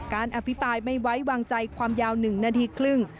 อภิปรายไม่ไว้วางใจความยาว๑นาทีครึ่ง